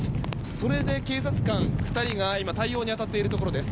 それで警察官２人が今、対応に当たっているところです。